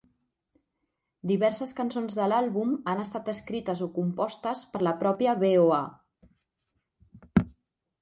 Diverses cançons de l'àlbum han estat escrites o compostes per la pròpia BoA.